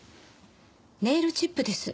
ネイルチップです。